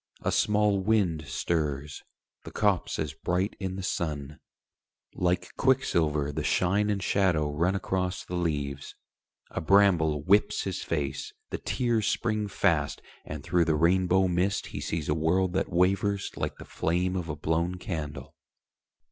A small wind stirs, the copse is bright in the sun: Like quicksilver the shine and shadow run Across the leaves. A bramble whips his face, The tears spring fast, and through the rainbow mist He sees a world that wavers like the flame Of a blown candle.